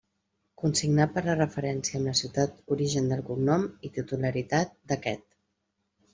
Consignat per la referència amb la ciutat origen del cognom i titularitat d'aquest.